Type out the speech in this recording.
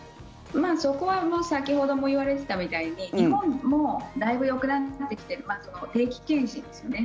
そこは先ほども言われてたみたいに日本もだいぶよくなってきて定期検診ですよね。